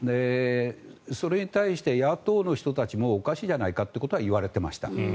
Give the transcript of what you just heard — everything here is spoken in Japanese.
それに対して野党の人たちもおかしいじゃないかということはいわれていました。